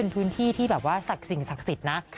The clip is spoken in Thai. เป็นพื้นที่ที่แบบว่าศักดิ์สิ่งศักดิ์สิทธิ์นะ